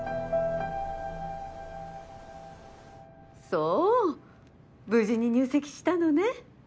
そう無事に入籍したのね。